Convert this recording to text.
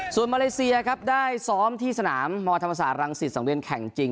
ส่วนมาเลเซียครับได้ซ้อมที่สนามมธรรมศาสตรังสิตสังเวียนแข่งจริง